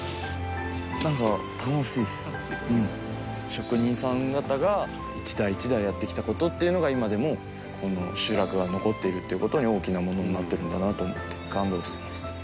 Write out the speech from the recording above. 職人さん方が一代一代やってきた事っていうのが今でもこの集落が残っているっていう事に大きなものになってるんだなと思って。